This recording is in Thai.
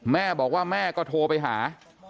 แม่บอกว่าแม่ก็โทรไปหา